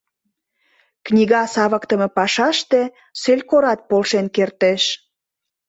Книга савыктыме пашаште селькорат полшен кертеш.